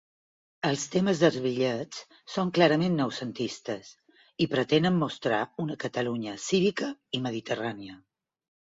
Els temes dels bitllets són clarament noucentistes i pretenen mostrar una Catalunya cívica i mediterrània.